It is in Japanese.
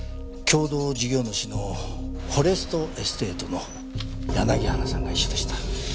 共同事業主のフォレストエステートの柳原さんが一緒でした。